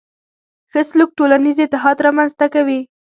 ښه سلوک ټولنیز اتحاد رامنځته کوي.